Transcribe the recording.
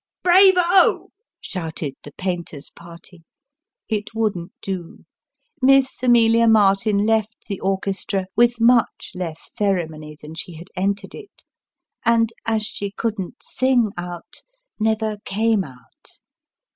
' Bray vo !" shouted the painter's party. It wouldn't do Miss Amelia Martin left the orchestra, with much less ceremony than she had entered it ; and, as she couldn't sing out, never came out.